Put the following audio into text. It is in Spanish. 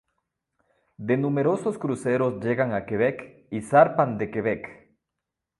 De numerosos cruceros llegan a Quebec y zarpan de Quebec.